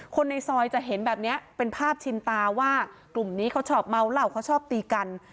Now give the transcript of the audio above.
คนในซอยจะเห็นแบบนี้เป็นภาพชินตาว่ากลุ่มนี้เขาชอบเมาเหล้าเขาชอบตีกัน